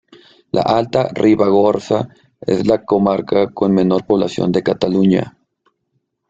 La Alta Ribagorza es la comarca con menor población de Cataluña.